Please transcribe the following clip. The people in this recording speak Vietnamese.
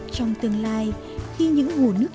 trong tương lai nước của người dân vùng cao sẽ được sử dụng được